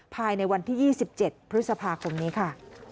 ภายในวันที่๒๗พฤษภาคมนี้ค่ะ